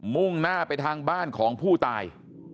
มุ่งหน้าไปทางบ้านของผู้ตาย